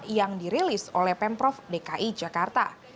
yang dirilis oleh pemprov dki jakarta